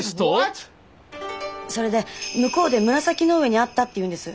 それで向こうで紫の上に会ったっていうんです。